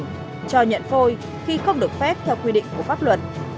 cho nhận phôi khi không được phép theo quy định của pháp luật